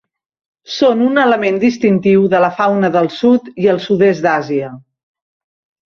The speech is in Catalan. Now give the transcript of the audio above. Són un element distintiu de la fauna del sud i el sud-est d'Àsia.